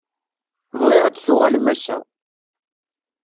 Bɣiɣ ad tuɣalem ass-a.